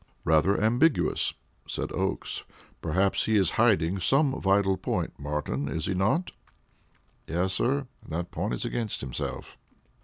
"Rather ambiguous," said Oakes. "Perhaps he is hiding some vital point, Martin. Is he not?" "Yes, sir; and that point is against himself."